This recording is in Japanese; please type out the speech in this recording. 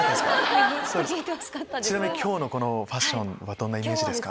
ちなみに今日のファッションはどんなイメージですか？